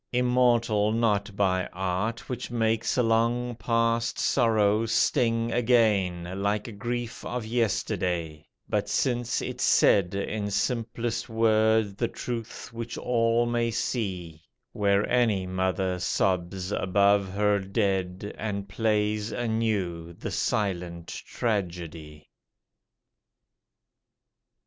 Immortal not by art Which makes a long past sorrow sting again Like grief of yesterday: but since it said In simplest word the truth which all may see, Where any mother sobs above her dead And plays anew the silent tragedy.